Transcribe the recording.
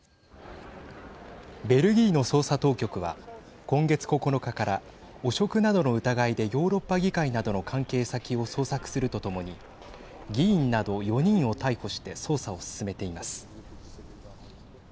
ベルギーの捜査当局は今月９日から汚職などの疑いでヨーロッパ議会などの関係先を捜索するとともに議員など４人を逮捕して捜査を進めています。